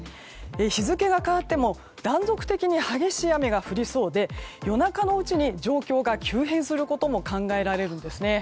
日付が変わっても断続的に激しい雨が降りそうで夜中のうちに状況が急変することも考えられます。